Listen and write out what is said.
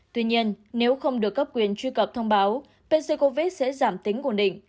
tuy nhiên nếu không được cấp quyền truy cập thông báo pc covid sẽ giảm tính cổ định